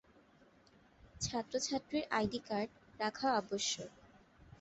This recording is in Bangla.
ছাত্র-ছাত্রীর আইডি কার্ড রাখা আবশ্যক।